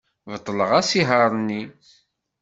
Beṭleɣ asihaṛ-nni.